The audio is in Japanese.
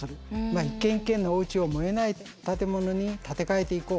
一軒一軒のおうちを燃えない建物に建て替えていこうと。